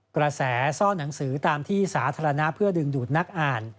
กระแสซ่อนหนังสือตามที่สาธารณะเพื่อดึงดูดนักอ่าน